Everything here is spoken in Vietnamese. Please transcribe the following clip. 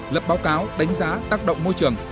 lập báo cáo đánh giá tác động môi trường